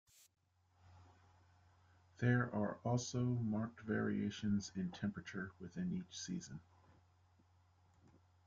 There are also marked variations in temperature within each season.